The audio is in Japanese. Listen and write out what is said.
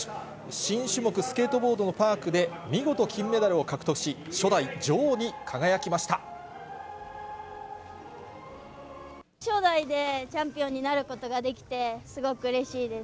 新種目、スケートボードのパークで、見事金メダルを獲得し、初代でチャンピオンになることができて、すごくうれしいです。